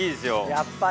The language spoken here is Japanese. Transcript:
やっぱり。